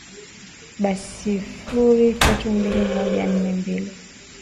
ba sifuri tatu mbili moja nane mbili